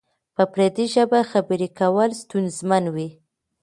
په پردۍ ژبه خبری کول ستونزمن وی؟